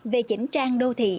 về chỉnh trang đô thị